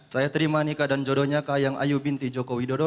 saya terima nikah dan jodohnya kahiyang ayu binti joko widodo